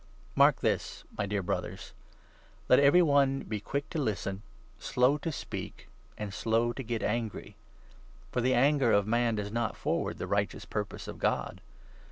Mark this, my dear Brothers :— Let every one 19 Religion. ^e quick to listen, slow to speak, and slow to get angry; for the anger of man does not forward the 20 righteous purpose of God.